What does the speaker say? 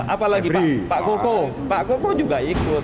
apalagi pak koko pak koko juga ikut